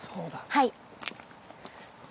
はい。